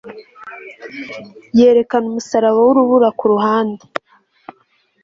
yerekana umusaraba wurubura kuruhande